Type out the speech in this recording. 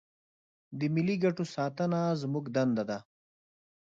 د ملي ګټو ساتنه زموږ دنده ده.